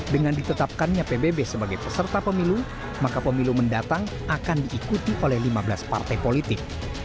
dengan ditetapkannya pbb sebagai peserta pemilu maka pemilu mendatang akan diikuti oleh lima belas partai politik